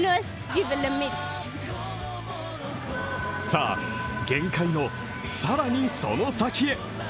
さあ、限界の、更にその先へ！